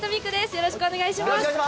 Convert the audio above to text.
よろしくお願いします。